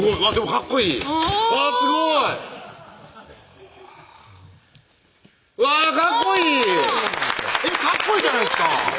かっこいいじゃないですか